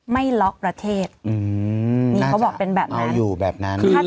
ไม่ล็อคประเทศนี่เขาบอกเป็นแบบนั้น